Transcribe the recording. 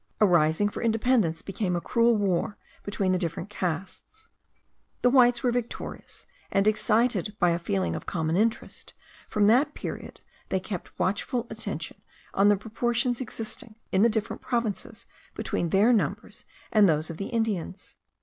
A rising for independence became a cruel war between the different castes; the whites were victorious, and excited by a feeling of common interest, from that period they kept watchful attention on the proportions existing in the different provinces between their numbers and those of the Indians.